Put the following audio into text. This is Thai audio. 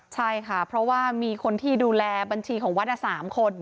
ใช่ค่ะเพราะว่ามีคนที่ดูแลบัญชีของวัด๓คน